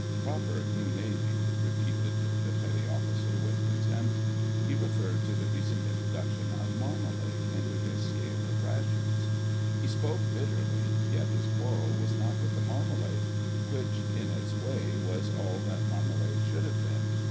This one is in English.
"Proper 'New Navy,'" repeated the petty officer with contempt. He referred to the recent introduction of marmalade into his scale of rations. He spoke bitterly, yet his quarrel was not with the marmalade, which, in its way, was all that marmalade should have been.